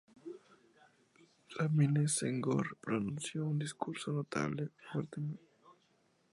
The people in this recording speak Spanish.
Lamine Senghor pronunció un discurso notablemente fuerte.